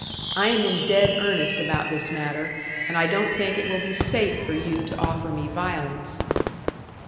I am in dead earnest about this matter, and I don't think it will be safe for you to offer me violence."